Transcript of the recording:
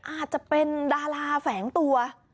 อาจจะเป็นดาราแฝงตัว